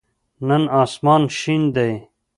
نن آسمان شین دی